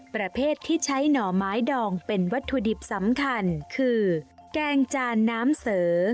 ประเภทที่ใช้หน่อไม้ดองเป็นวัตถุดิบสำคัญคือแกงจานน้ำเสอ